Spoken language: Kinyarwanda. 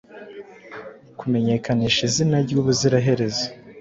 kumenyekanisha izina rye ubuziraherezo